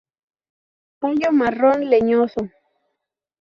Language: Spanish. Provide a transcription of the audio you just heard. Tallo marrón, leñoso.